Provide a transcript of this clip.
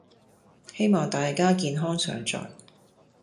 希望大家健康常在